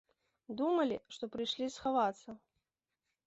Думалі, што прыйшлі схавацца.